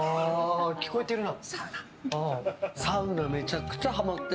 聞こえているな。